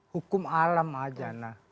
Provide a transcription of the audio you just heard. hukum alam aja